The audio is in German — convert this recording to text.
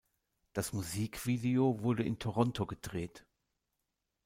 Das Musikvideo wurde in Toronto gedreht.